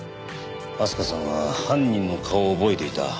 明日香さんは犯人の顔を覚えていた。